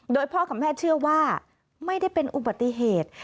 โดยพ่อกับแม่เชื่อว่าไม่ได้เป็นอุบัติเหตุ